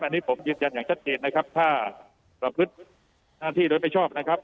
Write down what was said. อันนี้ผมยืนยันอย่างชัดเจนนะครับถ้าประพฤติหน้าที่โดยไม่ชอบนะครับ